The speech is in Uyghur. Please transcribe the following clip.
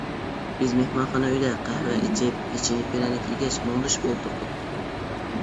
بىز مېھمانخانا ئۆيدە قەھۋە ئىچىپ، پېچىنە-پىرەنىك يېگەچ مۇڭدىشىپ ئولتۇردۇق.